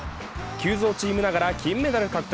急造チームながら金メダル獲得。